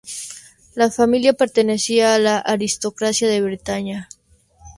La familia pertenecía a la aristocracia de Bretaña.